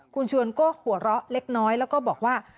คุณชวนก็หัวเราะเล็กน้อยแล้วก็บอกว่า